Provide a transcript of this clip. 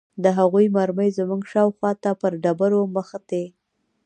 د هغوې مرمۍ زموږ شاوخوا ته پر ډبرو مښتې.